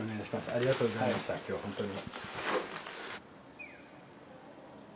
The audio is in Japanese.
ありがとうございました今日は本当に。